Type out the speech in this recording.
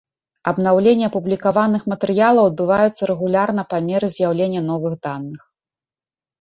Абнаўленні апублікаваных матэрыялаў адбываюцца рэгулярна па меры з'яўлення новых даных.